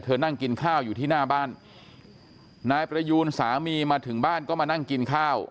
นั่งกินข้าวอยู่ที่หน้าบ้านนายประยูนสามีมาถึงบ้านก็มานั่งกินข้าว